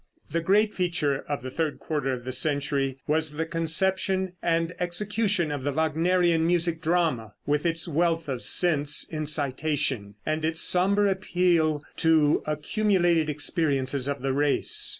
The great feature of the third quarter of the century was the conception and execution of the Wagnerian music drama, with its wealth of sense incitation and its somber appeal to accumulated experiences of the race.